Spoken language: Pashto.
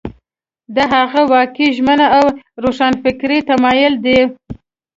دا هغه واقعي ژمن او روښانفکره تمایل دی.